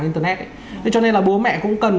internet thế cho nên là bố mẹ cũng cần